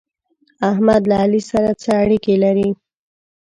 احمد له علي سره څه اړېکې لري؟